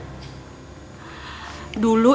ibu memilihmu menjadi menantu